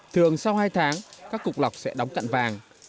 thường sau hai tháng các cục lọc sẽ đóng cặn vàng